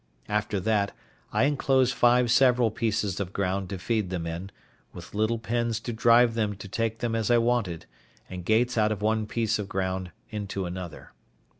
After that, I enclosed five several pieces of ground to feed them in, with little pens to drive them to take them as I wanted, and gates out of one piece of ground into another.